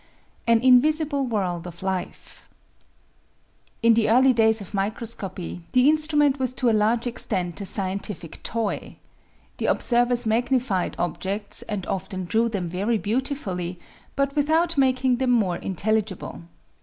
An Invisible World of Life In the early days of microscopy the instrument was to a large extent a scientific toy. The observers magnified objects and often drew them very beautifully, but without making them more in telligible.